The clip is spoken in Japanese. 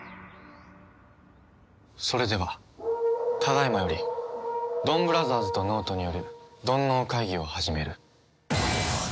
それではただ今よりドンブラザーズと脳人によるドン脳会議を始める。